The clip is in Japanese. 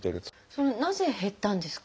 それはなぜ減ったんですか？